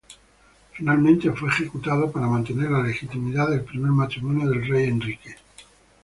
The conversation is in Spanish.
Finalmente fue ejecutado para mantener la legitimidad del primer matrimonio del rey Enrique.